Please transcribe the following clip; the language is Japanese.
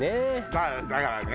まあだからね。